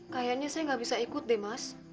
kayaknya saya nggak bisa ikut deh mas